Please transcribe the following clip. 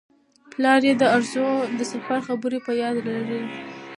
پلار یې د ارزو د سفر خبرې په یاد لرلې.